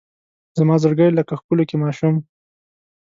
زما زړګی لکه ښکلوکی ماشوم